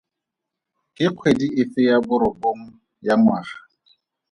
Ke kgwedi efe ya borobongwe ya ngwaga?